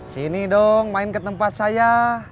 sini dong main ke tempat saya